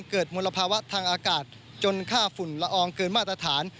มลภาวะทางอากาศจนค่าฝุ่นละอองเกินมาตรฐาน